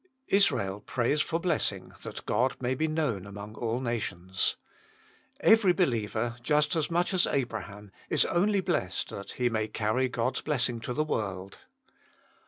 Israel prays for blessing, that God may be known amoug all nations. Every believer, just as much as Abraham, is only blessed that he may carry God s blessing to the world.